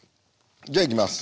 じゃいきます。